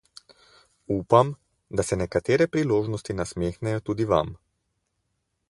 Upam, da se nekatere priložnosti nasmehnejo tudi Vam.